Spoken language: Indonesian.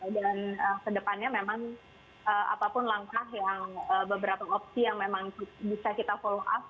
dan kedepannya memang apapun langkah yang beberapa opsi yang memang bisa kita follow up